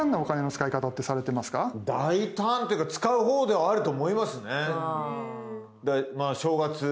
大胆というか使うほうではあると思いますね。